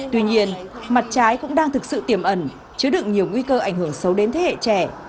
tuy nhiên mặt trái cũng đang thực sự tiềm ẩn chứa đựng nhiều nguy cơ ảnh hưởng xấu đến thế hệ trẻ